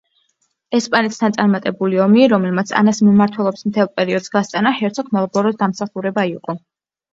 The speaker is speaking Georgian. ესპანეთთან წარმატებული ომი, რომელმაც ანას მმართველობის მთელ პერიოდს გასტანა, ჰერცოგ მალბოროს დამსახურება იყო.